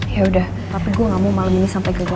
yaudah tapi gue gak mau malem ini sampai gagal lagi